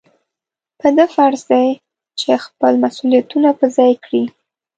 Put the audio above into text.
په ده فرض دی چې خپل مسؤلیتونه په ځای کړي.